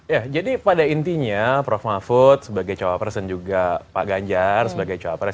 ya jadi pada intinya prof mahfud sebagai cawapres dan juga pak ganjar sebagai cawapres